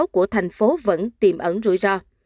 của thành phố vẫn tiềm ẩn rủi ro